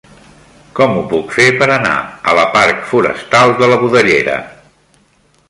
Com ho puc fer per anar a la parc Forestal de la Budellera?